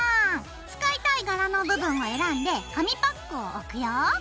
使いたい柄の部分を選んで紙パックを置くよ。